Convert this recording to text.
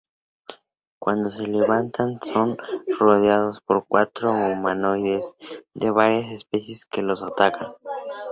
Cuando se levantan, son rodeados por cuatro humanoides de varias especies que los atacan.